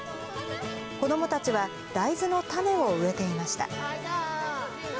子どもたちは、大豆の種を植えていました。